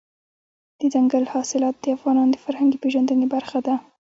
دځنګل حاصلات د افغانانو د فرهنګي پیژندنې برخه ده.